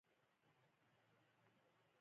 په پوښتونکي نظر یې کتل !